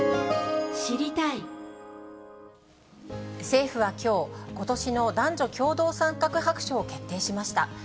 政府はきょう、ことしの男女共同参画白書を決定しました。